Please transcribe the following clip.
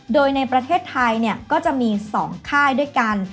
โดยในประเทศไทยก็จะมี๒ค่ายด้วยกัน